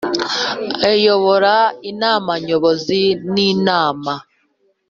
Ayobora Inama Nyobozi n Inama